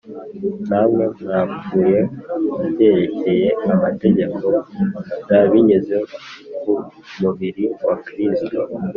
Namwe mwapfuye ku byerekeye amategeko r binyuze ku mubiri wa kristo